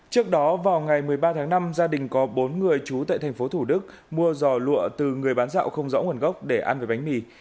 trước đó vào ngày một mươi ba tháng năm gia đình có bốn người chú tại thành phố thủ đức mua giò lụa từ người bán rạo không rõ nguồn gốc để ăn với bánh mì